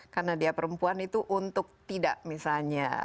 karena dia perempuan itu untuk tidak misalnya